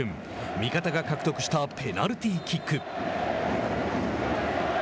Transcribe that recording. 味方が獲得したペナルティーキック。